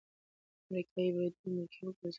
امریکايي بریدونه ملکي وګړي زیانمن کړل.